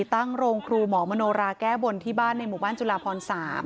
ตั้งโรงครูหมอมโนราแก้บนที่บ้านในหมู่บ้านจุลาพร๓